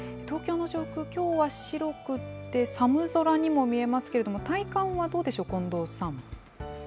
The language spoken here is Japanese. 東京の上空、きょうは白くて、寒空にも見えますけれども、体感はどうでしょう、近藤さん。